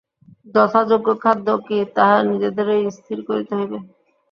যথাযোগ্য খাদ্য কি, তাহা নিজেদেরই স্থির করিতে হইবে।